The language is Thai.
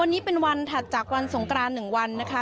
วันนี้เป็นวันถัดจากวันสงกราน๑วันนะคะ